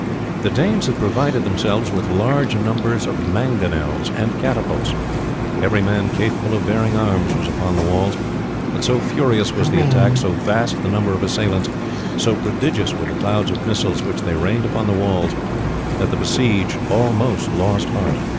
The Danes had provided themselves with large numbers of mangonels and catapults. Every man capable of bearing arms was upon the walls; but so furious was the attack, so vast the number of the assailants, so prodigious were the clouds of missiles which they rained upon the walls, that the besieged almost lost heart.